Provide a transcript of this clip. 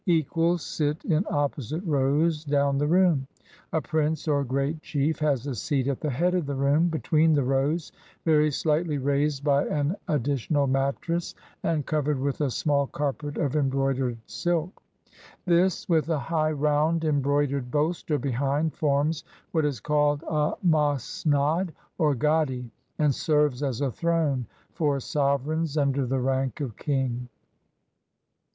Equals sit in opposite rows down the room. A prince or great chief has a seat at the head of the room between the rows, very slightly raised by an additional mattress, and cov ered with a small carpet of embroidered silk. This, with a high round embroidered bolster behind, forms what is called a masnad or gadi, and serves as a throne for sov ereigns under the rank of king.